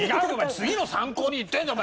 次の参考に言ってるんだよ！